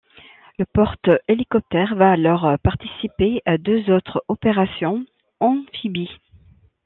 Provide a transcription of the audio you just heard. Le porte-hélicoptères va alors participer à deux autres opérations amphibies.